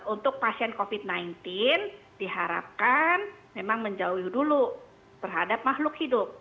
untuk pasien covid sembilan belas diharapkan memang menjauhi dulu terhadap makhluk hidup